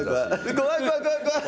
怖い怖い怖い怖い。